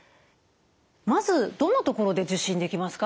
まずどんなところで受診できますか？